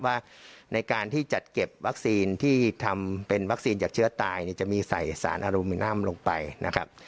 ว่าในการที่จัดเก็บวัคซีนที่ทำเป็นวัคซีนจากเชื้อตายเนี่ยจะมีใส่สารอรุมินัมลงไปนะครับ